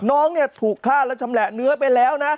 น้องเนี่ยถูกฆ่าและชำแหละเนื้อไปแล้วนะ